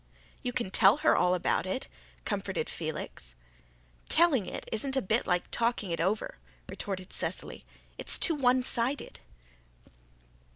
"You can tell her all about it," comforted Felix. "Telling isn't a bit like talking it over," retorted Cecily. "It's too one sided."